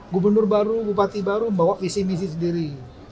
gubernur baru bupati baru membawa visi misi sendiri